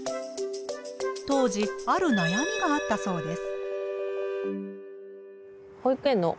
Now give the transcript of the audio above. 当時あるなやみがあったそうです。